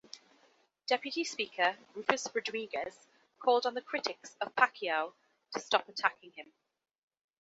Deputy Speaker Rufus Rodriguez called on the critics of Pacquiao to stop attacking him.